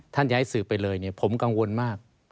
ท่านจะให้สืบไปเลยเนี่ยผมกังวลมาก